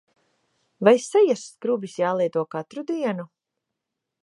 Vai sejas skrubis jālieto katru dienu?